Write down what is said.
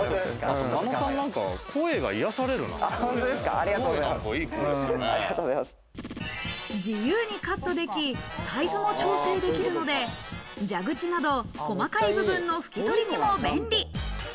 真野さん、何か声が癒される自由にカットでき、サイズも調整できるので、蛇口など、細かい部分の拭き取りにも便利。